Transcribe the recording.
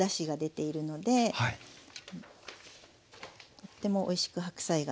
とてもおいしく白菜が食べられます。